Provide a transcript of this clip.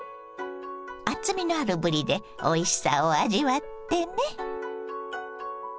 厚みのあるぶりでおいしさを味わってね。